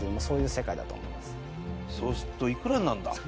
そうするといくらになるんだ？